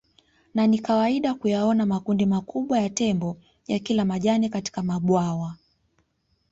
Na ni kawaida kuyaona makundi makubwa ya Tembo ya kila majani katika mabwawa